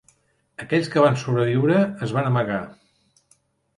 Aquells que van sobreviure es van amagar.